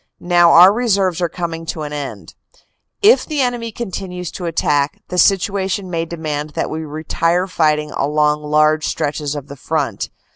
Now our reserves are coming to an end. If the enemy continues to attack, the situation may demand that we retire fighting along large stretches of the front.